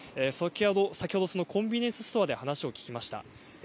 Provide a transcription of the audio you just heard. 先ほど、そのコンビニエンスストアで話を聞きました。